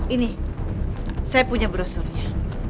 ini saya punya brosurnya